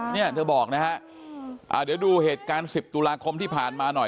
เนี่ยเธอบอกนะฮะเดี๋ยวดูเหตุการณ์๑๐ตุลาคมที่ผ่านมาหน่อย